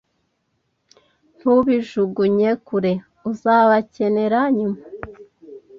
Ntubijugunye kure. Uzabakenera nyuma